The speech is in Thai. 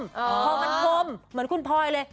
พอมันคมเหมือนคุณพลอยเลย